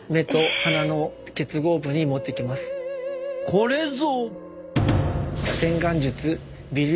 これぞ！